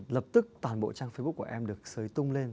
lập tức toàn bộ trang facebook của em được xới tung lên